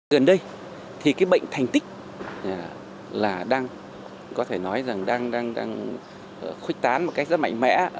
gần đây thì cái bệnh thành tích là đang có thể nói rằng đang khuếch tán một cách rất mạnh mẽ